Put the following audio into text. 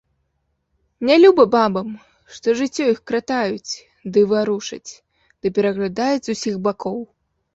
Нялюба бабам, што жыццё іх кратаюць, ды варушаць, ды пераглядаюць з усіх бакоў.